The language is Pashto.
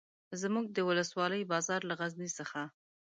زموږ د ولسوالۍ بازار له غزني څخه.